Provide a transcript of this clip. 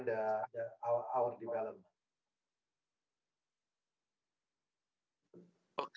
ketika kita mengerjakan